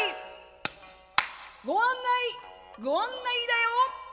ご案内ご案内だよ」。